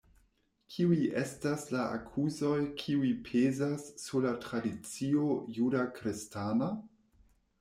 Kiuj estas la akuzoj kiuj pezas sur la tradicio juda kristana?